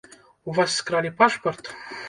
У вас скралі пашпарт?